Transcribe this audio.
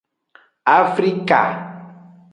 Afrique.